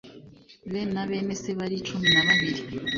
be na bene se bari cumi na babiri